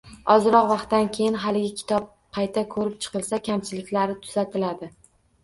Ozroq vaqtdan keyin haligi kitob qayta ko‘rib chiqilsa, kamchiliklari tuzatiladi